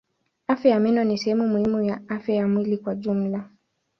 Afya ya meno ni sehemu muhimu ya afya ya mwili kwa jumla.